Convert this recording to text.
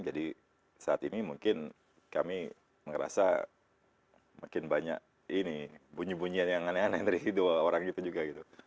jadi saat ini mungkin kami merasa mungkin banyak bunyi bunyian yang aneh aneh dari dua orang gitu juga gitu